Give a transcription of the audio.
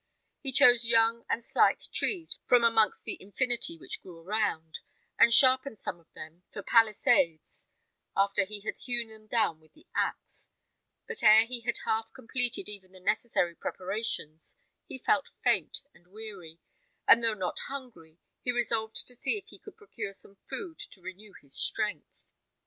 He chose young and slight trees from amongst the infinity which grew around, and sharpened some of them for palisades, after he had hewn them down with the axe; but ere he had half completed even the necessary preparations, he felt faint and weary; and though not hungry, he resolved to see if he could procure some food to renew his strength.